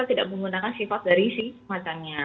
kita tidak menggunakan sifat dari sih macannya